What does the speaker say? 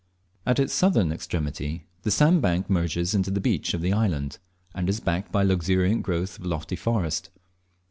At its southern extremity the sand bank merges in the beach of the island, and is backed by a luxuriant growth of lofty forest.